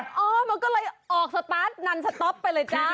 เออมันก็เลยออกสตาร์ทนันสต๊อปไปเลยจ้า